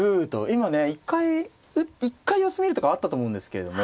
今ね一回様子見るとかはあったと思うんですけれども。